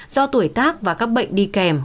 do tuổi tác và các bệnh đi kèm